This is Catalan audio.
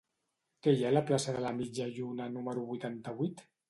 Què hi ha a la plaça de la Mitja Lluna número vuitanta-vuit?